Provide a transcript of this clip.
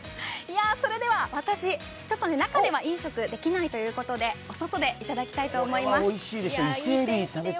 それでは私、中では飲食できないということで、お外でいただきたいと思います。